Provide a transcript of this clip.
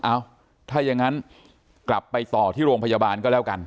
เอ้าถ้ายังงั้นกลับไปต่อที่โรงพยาบาลก็แล้วกัน